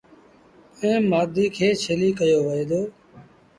ائيٚݩ مآڌي کي ڇيليٚ ڪهيو وهي دو۔